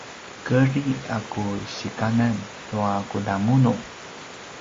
kedri a ku sikanan tua kudamunu